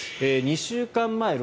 ２週間前